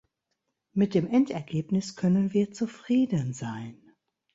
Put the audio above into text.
Mit dem Endergebnis können wir zufrieden sein.